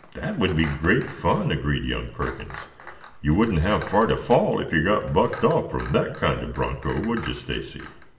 "That would be great fun," agreed young Perkins. "You wouldn't have far to fall if you got bucked off from that kind of broncho, would you, Stacy?"